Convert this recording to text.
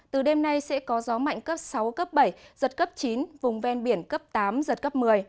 từ đêm nay sẽ có gió mạnh cấp sáu cấp bảy giật cấp chín vùng ven biển cấp tám giật cấp một mươi